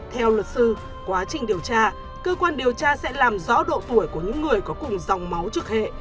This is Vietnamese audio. theo luật sư quá trình điều tra cơ quan điều tra sẽ làm rõ độ tuổi của những người có cùng dòng máu trực hệ